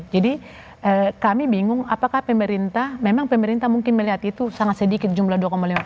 jadi kami bingung apakah pemerintah memang pemerintah mungkin melihat itu sangat sedikit jumlah dua lima